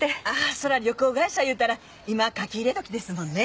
そりゃ旅行会社いうたら今書き入れ時ですもんね。